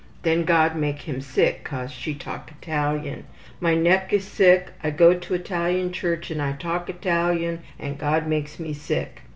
Then God make him sick cause she talk Italian. My neck is sick. I go to Italian church and I talk Italian and God makes me sick.